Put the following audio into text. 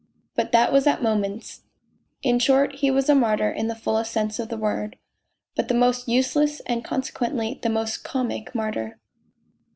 But that was at moments ... In short, he was a martyr in the fullest sense of the word, but the most useless and consequently the most comic martyr.